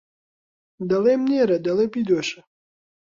دەڵێم نێرە دەڵێ بیدۆشە